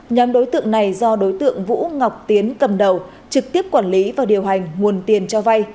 nhóm đối tượng này do đối tượng vũ ngọc tiến cầm đầu trực tiếp quản lý và điều hành nguồn tiền cho vay